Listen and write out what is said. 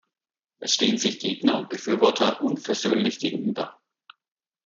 Es stehen sich Gegner und Befürworter unversöhnlich gegenüber.